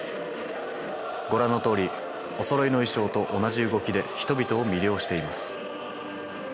ご覧のとおりおそろいの衣装と同じ動きで人々を魅了しています。